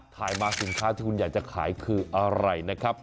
ถ่ายมาสินค้าที่คุณอยากจะขายคืออะไรนะครับ